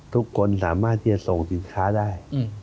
ทุกคนสามารถที่จะส่งสินค้าได้